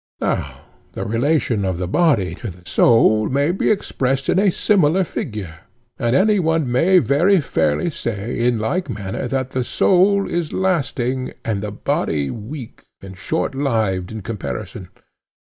Now the relation of the body to the soul may be expressed in a similar figure; and any one may very fairly say in like manner that the soul is lasting, and the body weak and shortlived in comparison.